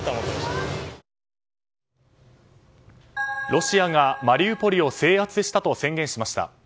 ロシアがマリウポリを制圧したと宣言しました。